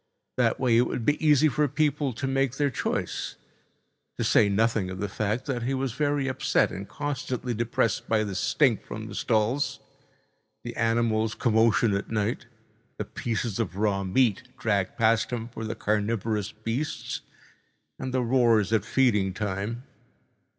That way it would be easy for people to make their choice, to say nothing of the fact that he was very upset and constantly depressed by the stink from the stalls, the animals' commotion at night, the pieces of raw meat dragged past him for the carnivorous beasts, and the roars at feeding time.